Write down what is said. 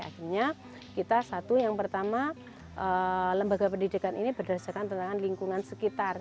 akhirnya kita satu yang pertama lembaga pendidikan ini berdasarkan tentangan lingkungan sekitar